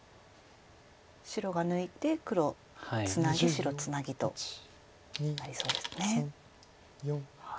白が抜いて黒ツナギ白ツナギとなりそうですね。